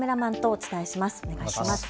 お願いします。